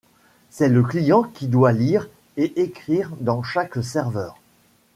C'est le client qui doit lire et écrire dans chaque serveur.